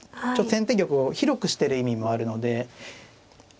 ちょっと先手玉を広くしてる意味もあるので。